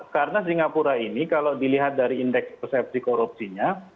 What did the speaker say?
karena singapura ini kalau dilihat dari indeks persepsi korupsinya